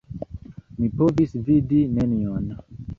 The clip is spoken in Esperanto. Mi povis vidi nenion.